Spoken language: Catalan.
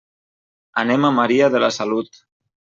Anem a Maria de la Salut.